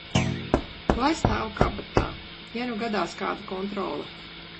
Lai stāv kabatā, ja nu gadās kāda kontrole.